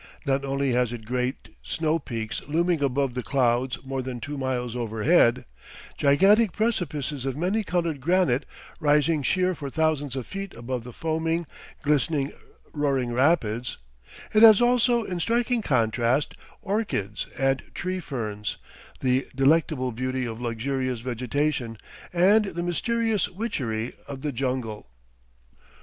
Not only has it great snow peaks looming above the clouds more than two miles overhead; gigantic precipices of many colored granite rising sheer for thousands of feet above the foaming, glistening, roaring rapids; it has also, in striking contrast, orchids and tree ferns, the delectable beauty of luxurious vegetation, and the mysterious witchery of the jungle.